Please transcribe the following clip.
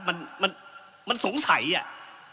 มันมันมันสงสัยอะ